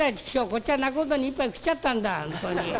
こっちは仲人に一杯食っちゃったんだ本当に。